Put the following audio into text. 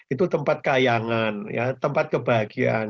itu tempat kayangan tempat kebahagiaan